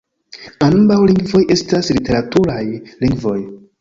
Ambaŭ lingvoj estas literaturaj lingvoj.